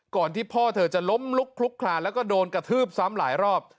ที่พ่อเธอจะล้มลุกคลุกคลานแล้วก็โดนกระทืบซ้ำหลายรอบ